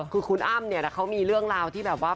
คือคุณอ้ำเนี่ยเขามีเรื่องราวที่แบบว่า